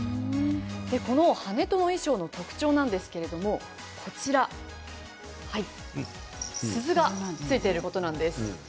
この跳人の衣装の特徴なんですが鈴がついていることなんです。